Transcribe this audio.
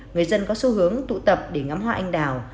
người dân có xu hướng tụ tập để ngắm hoa anh đào